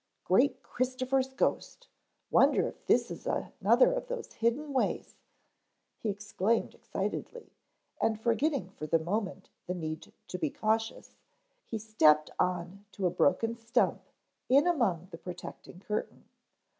"Great Christoper's ghost, wonder if this is another of those hidden ways," he exclaimed excitedly, and forgetting for the moment the need to be cautious, he stepped on to a broken stump in among the protecting curtain.